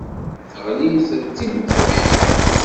Teɣlimt d timendeffirt.